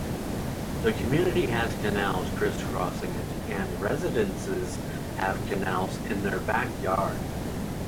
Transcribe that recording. The community has canals criscrossing it, and the residences have canals in their backyard.